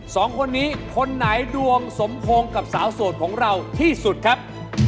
สองคนนี้คนไหนดวงสมพงษ์กับสาวโสดของเราที่สุดครับ